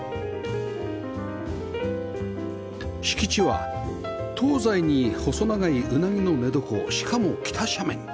敷地は東西に細長いうなぎの寝床しかも北斜面